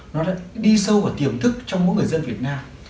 nó đã đi sâu vào tiềm thức trong mỗi người dân việt nam